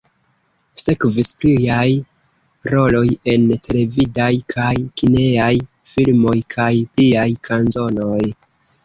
Sekvis pliaj roloj en televidaj kaj kinejaj filmoj, kaj pliaj kanzonoj.